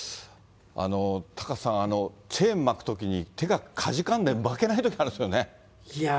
タカさん、チェーン巻くときに手がかじかんで巻けないときあいやー